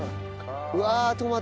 うわトマト。